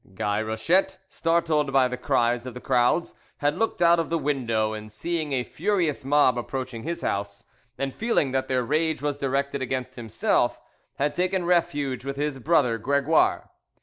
Guy Rochette, startled by the cries of the crowds, had looked out of the window, and seeing a furious mob approaching his house, and feeling that their rage was directed against himself, had taken refuge with his brother Gregoire.